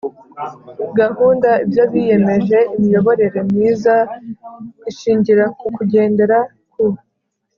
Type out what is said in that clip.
gahunda ibyo biyemeje. imiyoborere myiza ishingira ku kugendera ku